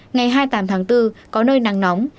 ngày hai mươi tám tháng bốn có nơi nắng nóng